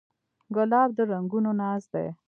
ګلاب د رنګونو ناز دی.